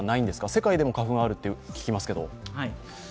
世界でも花粉はあると聞きますけど。